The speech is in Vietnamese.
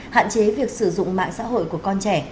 hạn chế việc sử dụng mạng xã hội của con trẻ